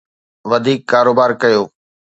وڌيڪ ڪاروبار ڪيو.